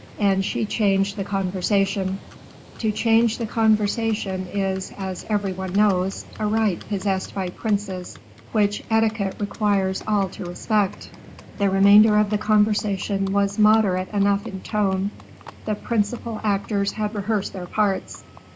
And she changed the conversation. To change the conversation is, as every one knows, a right possessed by princes which etiquette requires all to respect. The remainder of the conversation was moderate enough in tone; the principal actors had rehearsed their parts.